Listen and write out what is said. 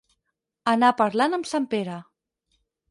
Anar parlant amb sant Pere.